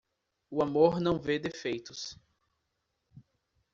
O amor não vê defeitos.